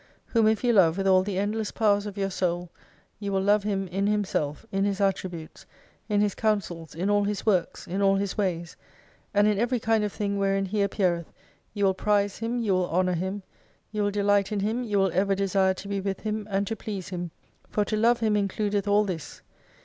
Whom if you love with all the endless powers of your Soul, you will love Him in Himself, in His attributes, in His counsels, in all His works, in all His ways ; and in every kind of thing wherein He appeareth, you will prize Him, you will Honour Him, you will delight in Him, you will ever desire to be with Him and to please Him. For to love Him includeth all this.